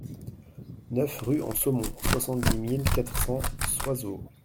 neuf rue En Saumon, soixante-dix mille quatre cents Coisevaux